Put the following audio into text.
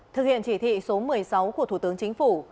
thực hiện chỉ thị số một mươi sáu của thủ tướng chính phủ